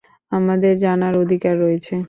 আমাদের জানার অধিকার রয়েছে!